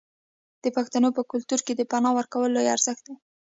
د پښتنو په کلتور کې د پنا ورکول لوی ارزښت دی.